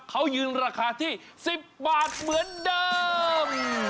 เขายืนราคาที่๑๐บาทเหมือนเดิม